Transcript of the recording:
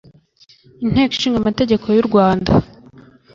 Inteko Ishinga Amategeko y’ u Rwanda